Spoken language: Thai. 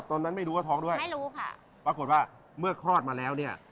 ตอนนั้นไม่รู้ว่าท้องด้วยไม่รู้ค่ะปรากฏว่าเมื่อคลอดมาแล้วเนี่ย